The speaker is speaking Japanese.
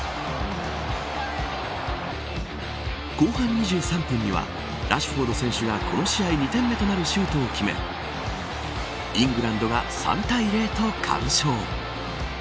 後半２３分にはラシュフォード選手がこの試合２点目となるシュートを決めイングランドが３対０と完勝。